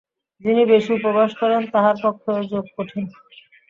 যিনি বেশী উপবাস করেন, তাঁহারও পক্ষে যোগ কঠিন।